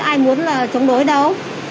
chứ ai muốn là chống đối đâu